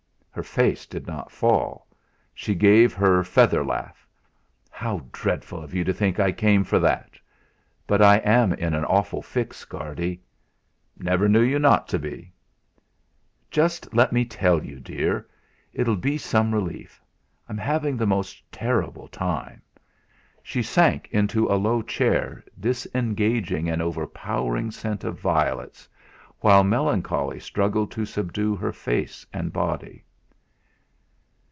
Her face did not fall; she gave her feather laugh. "How dreadful of you to think I came for that! But I am in an awful fix, Guardy." "Never knew you not to be." "Just let me tell you, dear; it'll be some relief. I'm having the most terrible time." She sank into a low chair, disengaging an overpowering scent of violets, while melancholy struggled to subdue her face and body.